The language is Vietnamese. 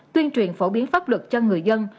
tuyên truyền phổ biến pháp luật cho người dân